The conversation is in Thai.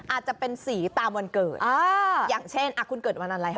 อาจจะเป็นสีตามวันเกิดอย่างเช่นคุณเกิดวันอะไรคะ